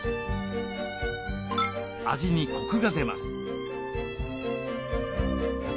味にコクが出ます。